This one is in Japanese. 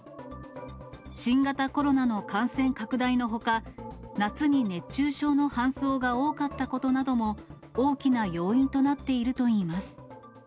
新型コロナの感染拡大のほか、夏に熱中症の搬送が多かったことなども、大きな要因となっているといいます。